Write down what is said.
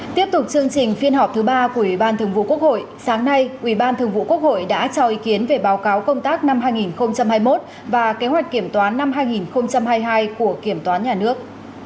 tiếp tục chương trình phiên họp thứ ba của ubthqh sáng nay ubthqh đã cho ý kiến về báo cáo công tác năm hai nghìn hai mươi một và kế hoạch kiểm toán năm hai nghìn hai mươi hai của kiểm toán nhà nước